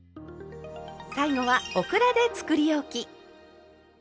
最後はオクラでつくりおき。